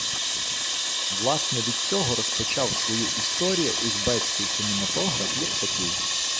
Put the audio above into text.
Власне від цього розпочав свою історію узбецький кінематограф як такий.